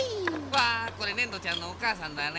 わこれねんどちゃんのおかあさんだね。